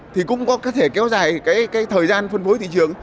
thì cũng có thể kéo dài cái thời gian phân phối thị trường